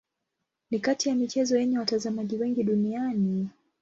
Ni kati ya michezo yenye watazamaji wengi duniani.